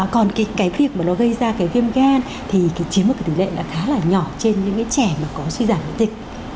còn cái việc mà nó gây ra cái viêm gan thì chiếm một cái tỷ lệ khá là nhỏ trên những cái trẻ mà có suy giảm bệnh tịch